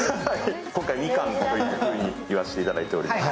今回はミカンというふうに言わせていただいています。